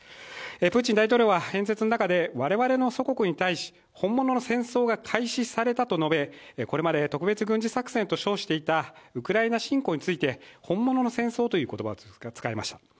プーチン大統領は演説の中で我々の祖国に対し本物の戦争が開始されたと述べこれまで特別軍事作戦と称していたウクライナ侵攻について、本物の戦争という言葉を使いました。